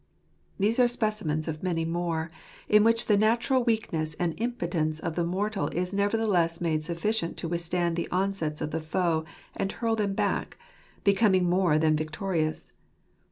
These are specimens of many more, in which the natural weakness and impotence of the mortal is nevertheless made sufficient to withstand the onsets of the foe, and hurl them back, becoming more than victorious.